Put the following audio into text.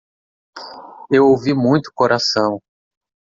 Eu ouvi muito coração